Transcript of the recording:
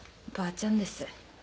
ばあちゃんです。